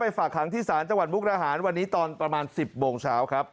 ฝากหางที่ศาลจังหวัดมุกราหารวันนี้ตอนประมาณ๑๐โมงเช้าครับ